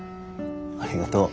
ありがとう。